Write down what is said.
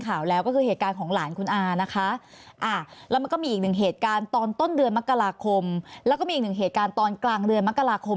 ข่าวแล้วก็คือเหตุการณ์ของหลานคุณอานะคะแล้วมันก็มีอีกหนึ่งเหตุการณ์ตอนต้นเดือนมกราคมแล้วก็มีอีกหนึ่งเหตุการณ์ตอนกลางเดือนมกราคม